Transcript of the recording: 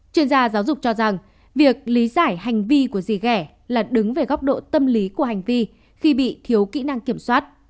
chuyên gia giáo dục cho rằng việc lý giải hành vi của gì gẻ là đứng về góc độ tâm lý của hành vi khi bị thiếu kỹ năng kiểm soát